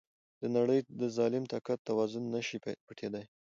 د نړی ظالم طاقت توازن نشي پټیدای.